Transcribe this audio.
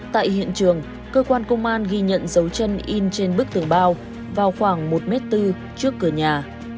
tại hiện trường cơ quan công an ghi nhận dấu chân in trên bức tường bao vào khoảng một m bốn trước cửa nhà